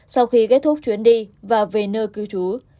sau khi kết thúc chuyến đi và về nơi cư trú